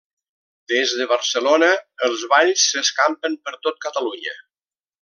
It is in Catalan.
Des de Barcelona, els balls s'escampen per tot Catalunya.